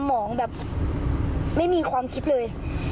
มองแบบไม่มีความคิดเลย